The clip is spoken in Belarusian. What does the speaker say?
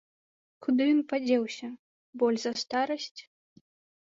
Куды ён падзеўся, боль за старасць?